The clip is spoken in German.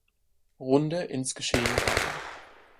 Runde ins Geschehen ein.